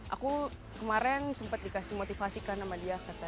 aku kemarin sempat dikasih motivasi kan sama dia